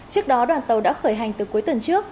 trước đó đoàn tàu đã khởi hành từ cuối tuần trước